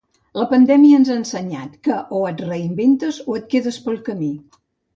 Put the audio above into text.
La pandèmia ens ha ensenyat que o et reinventes o et quedes pel camí